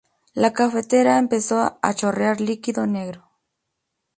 la cafetera empezó a chorrear líquido negro